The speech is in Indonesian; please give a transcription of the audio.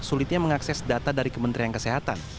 sulitnya mengakses data dari kementerian kesehatan